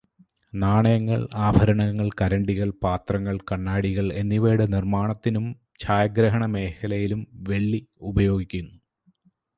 നാണയങ്ങൾ, ആഭരണങ്ങൾ, കരണ്ടികൾ, പാത്രങ്ങൾ, കണ്ണാടികൾ എന്നിവയുടെ നിർമ്മാണത്തിനും ഛായഗ്രഹണമേഖലയിലും വെള്ളി ഉപയോഗിക്കുന്നു